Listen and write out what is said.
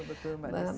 betul betul mbak nisi